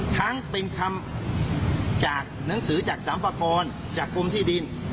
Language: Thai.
ทั้งเป็นคำจากหนังสือจากสรรพากรจากกรมที่ดิน